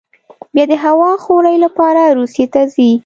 بیا د هوا خورۍ لپاره روسیې ته ځي.